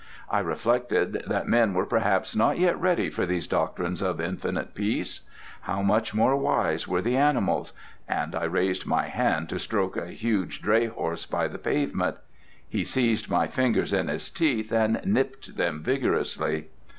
I reflected that men were perhaps not yet ready for these doctrines of infinite peace. How much more wise were the animals—and I raised my hand to stroke a huge dray horse by the pavement. He seized my fingers in his teeth and nipped them vigorously.